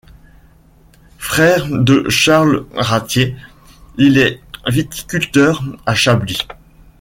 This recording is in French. Frère de Charles Rathier, il est viticulteur à Chablis.